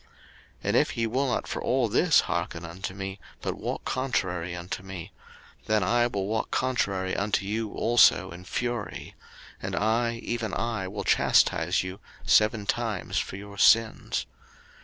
03:026:027 And if ye will not for all this hearken unto me, but walk contrary unto me; 03:026:028 Then I will walk contrary unto you also in fury; and I, even I, will chastise you seven times for your sins.